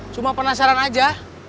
cuma penasaran aja